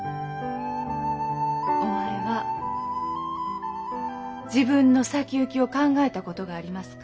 お前は自分の先行きを考えたことがありますか？